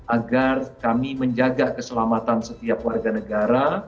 agar kami menjaga keselamatan setiap warga negara